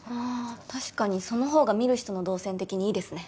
確かにその方が見る人の導線的にいいですね